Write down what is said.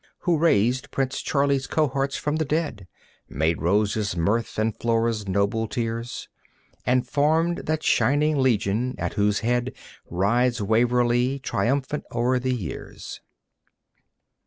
Who raised Prince Charlie's cohorts from the dead, Made Rose's mirth and Flora's noble tears, And formed that shining legion at whose head Rides Waverley, triumphant o'er the years!